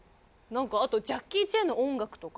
あとジャキー・チェンの音楽とか。